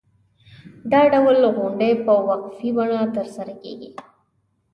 دا ډول غونډې په وقفې بڼه ترسره کېږي.